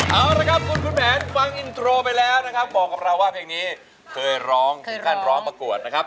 เอาละครับคุณคุณแผนฟังอินโทรไปแล้วนะครับบอกกับเราว่าเพลงนี้เคยร้องถึงขั้นร้องประกวดนะครับ